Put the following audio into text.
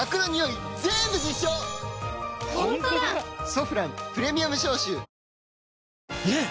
「ソフランプレミアム消臭」ねえ‼